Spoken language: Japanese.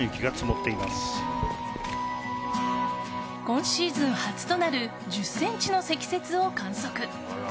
今シーズン初となる１０ｃｍの積雪を観測。